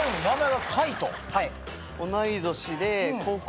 はい。